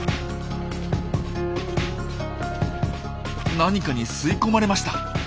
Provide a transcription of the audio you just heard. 何かに吸い込まれました。